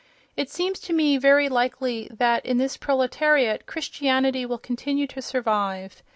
It seems to me very likely that, in this proletariat, Christianity will continue to survive.